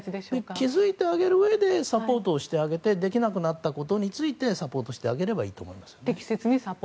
気づいてあげるうえでサポートしてできなくなったことについてサポートしてあげればいいと思います。